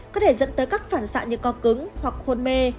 có thể dẫn tới các phản xạ như co cứng hoặc hôn mê